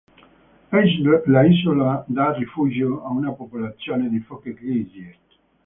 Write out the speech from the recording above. L'isola dà rifugio a una popolazione di foche grigie.